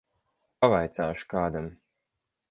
Pavaicāšu kādam.